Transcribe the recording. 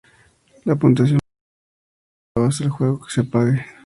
La puntuación más alta del jugador se graba hasta el juego se apague.